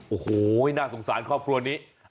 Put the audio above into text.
โอ้โหน่าสงสารครอบครัวนี้